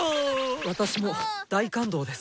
私も大感動です。